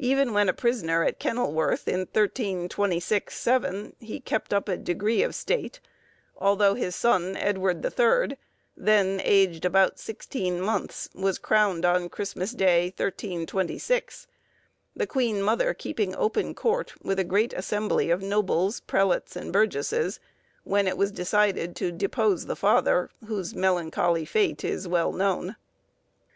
Even when a prisoner at Kenilworth in 1326 7, he kept up a degree of state, although his son, Edward the Third, then aged about sixteen years, was crowned on Christmas Day, 1326, the queen mother keeping open court, with a great assembly of nobles, prelates, and burgesses, when it was decided to depose the father, whose melancholy fate is well known.